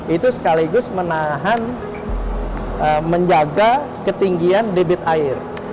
itu menahan dan menjaga ketinggian debit air